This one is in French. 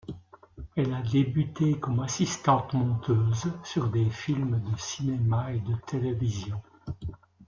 Elle a débuté comme assistante-monteuse sur des films de cinéma et de télévision.